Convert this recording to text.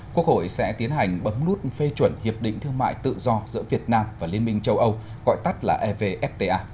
quốc hội sẽ tiến hành bấm nút phê chuẩn hiệp định thương mại tự do giữa việt nam và liên minh châu âu gọi tắt là evfta